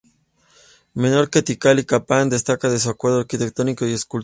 Menor que Tikal o Copán, destaca por su acervo arquitectónico y escultórico.